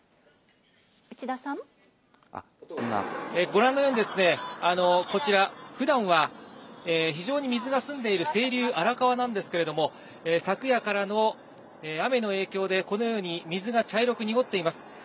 ご覧のようにですね、こちら普段は非常に水が澄んでいる清流、荒川なんですけれども、昨夜からの雨の影響でこのように水が茶色く濁っています。